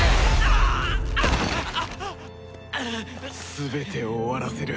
全てを終わらせる！